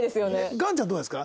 岩ちゃんどうですか？